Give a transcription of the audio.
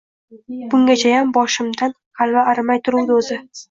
Bungachayam boshimdan g‘alva arimay turuvdi, o‘zi